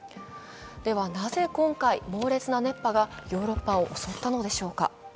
では、なぜ今回、猛烈な熱波がヨーロッパを襲ったのでしょうか。